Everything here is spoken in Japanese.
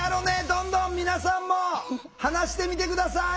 どんどん皆さんも話してみて下さい！